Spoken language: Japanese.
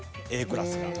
Ａクラスが。